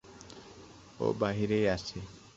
ও বাহিরেই আছে।